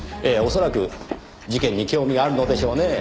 恐らく事件に興味があるのでしょうねぇ。